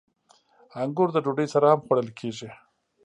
• انګور د ډوډۍ سره هم خوړل کېږي.